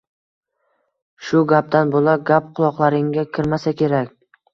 Shu gapdan bo‘lak gap quloqlaringga kirmasa kerak.